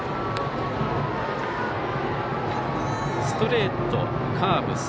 ストレート、カーブ